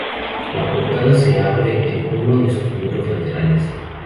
La portada se abre en uno de sus muros laterales.